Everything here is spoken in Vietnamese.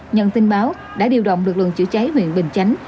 nhận tin báo đã điều động lực lượng chữa cháy huyện bình chánh